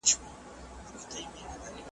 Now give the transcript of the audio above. ددې شعر د یوې برخي ویډیو .